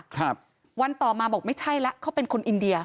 ครับวันต่อมาบอกไม่ใช่แล้วเขาเป็นคนอินเดีย